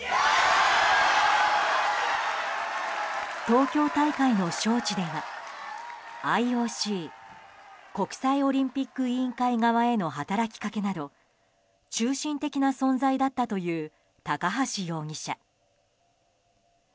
東京大会の招致ではＩＯＣ・国際オリンピック委員会側への働きかけなど中心的な存在だったという高橋容疑者。